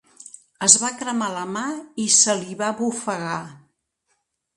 Es va cremar la mà i se li va bofegar.